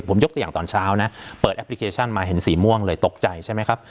ผมยกตัวอย่างตอนเช้านะเปิดแอปพลิเคชันมาเห็นสีม่วงเลยตกใจใช่ไหมครับ